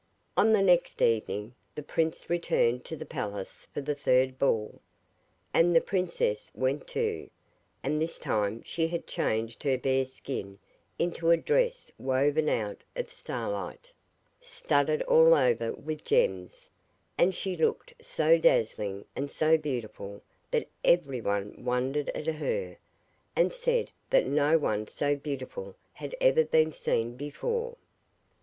On the next evening, the prince returned to the palace for the third ball. And the princess went too, and this time she had changed her bear's skin into a dress woven out of the star light, studded all over with gems, and she looked so dazzling and so beautiful, that everyone wondered at her, and said that no one so beautiful had ever been seen before.